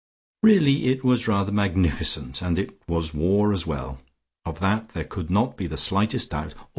Really it was rather magnificent, and it was war as well; of that there could not be the slightest doubt.